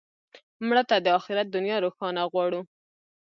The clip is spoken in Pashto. مړه ته د آخرت دنیا روښانه غواړو